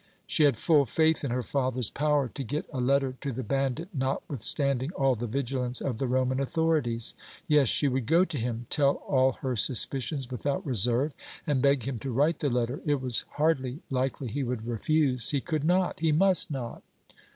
She had full faith in her father's power to get a letter to the bandit notwithstanding all the vigilance of the Roman authorities. Yes, she would go to him, tell all her suspicions without reserve and beg him to write the letter; it was hardly likely he would refuse; he could not, he must not.